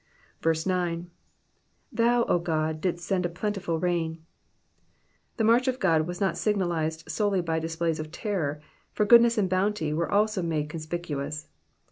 9. rA/>tt, 0 Godj didst send a plentiful rain^ The march of God was not signalized solely by displays of terror, for goodness and bounty were also made conspicuous.